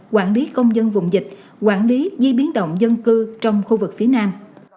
quản lý công dân vùng dịch quản lý di biến động dân cư trong khu vực phía nam